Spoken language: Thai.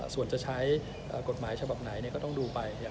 ส่วนจะใช้กฎหมายฉบับไหนก็ต้องดูไป